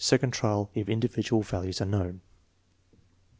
(Second trial if individual val ues are known.)